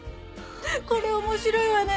これ面白いわね